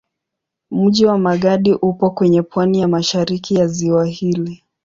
Mji wa Magadi upo kwenye pwani ya mashariki ya ziwa hili.